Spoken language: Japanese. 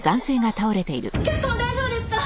大丈夫ですか？